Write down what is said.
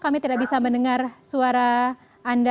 kami tidak bisa mendengar suara anda